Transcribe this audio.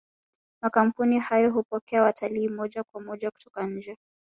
makampuni hayo hupokea watalii moja kwa moja kutoka nje